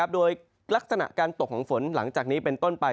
โดยลักษณะการตกของฝนหลังจากนี้เป็นต้นไป